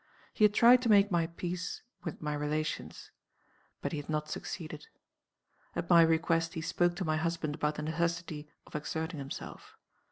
He had tried to make my peace with my relations but he had not succeeded. At my request he spoke to my husband about the necessity of exerting himself.